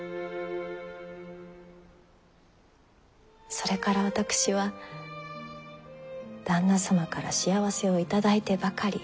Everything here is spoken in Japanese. それから私は旦那様から幸せを頂いてばかり。